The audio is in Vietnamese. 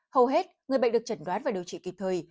hầu hết người bệnh được chẩn đoán và điều trị kịp thời